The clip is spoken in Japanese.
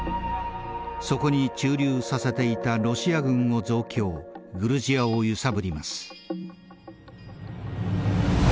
そこに駐留させていたロシア軍を増強グルジアを揺さぶります。